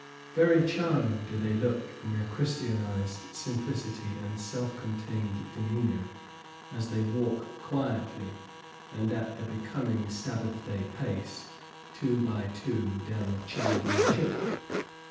Very charming do they look in their Christianized simplicity and self contained demeanor as they walk quietly, and at a becoming Sabbath day pace, two by two, down the Chandni Chouk.